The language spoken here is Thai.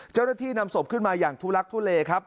เจ้าหน้าที่นำศพขึ้นมาอย่างทุลักทุเลครับ